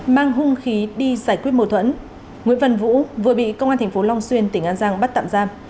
mang hung khí đi giải quyết mâu thuẫn nguyễn văn vũ vừa bị công an thành phố long xuyên tỉnh an giang bắt tạm giam